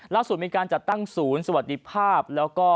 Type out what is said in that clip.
ล่าสุดมีการจัดตั้งศูนย์สวัสดีภาพแล้วก็